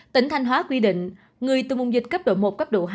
tỉnh thanh hóa quy định người từ vùng dịch cấp độ một cấp độ hai